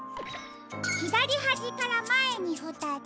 ひだりはじからまえにふたつ。